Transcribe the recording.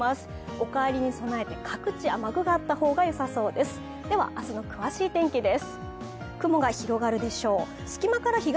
お帰りに備えて各地雨具があった方がよさそうです。